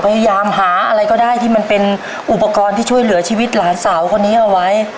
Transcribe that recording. พยายามหาอะไรก็ได้ที่มันเป็นอุปกรณ์ที่ช่วยเหลือชีวิตหลานสาวคนนี้เอาไว้